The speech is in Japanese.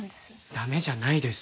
駄目じゃないです。